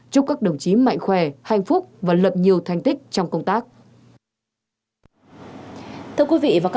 chúc các đồng chí mạnh khỏe hạnh phúc và lập nhiều thành tích trong công tác